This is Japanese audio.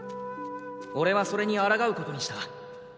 俺はそれに抗うことにした。